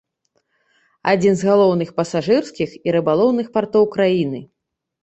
Адзін з галоўных пасажырскіх і рыбалоўных партоў краіны.